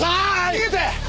逃げて！